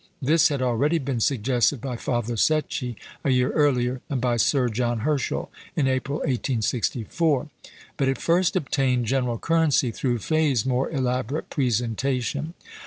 This had already been suggested by Father Secchi a year earlier, and by Sir John Herschel in April, 1864; but it first obtained general currency through Faye's more elaborate presentation.